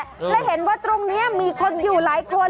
และเห็นว่าตรงนี้มีคนอยู่หลายคน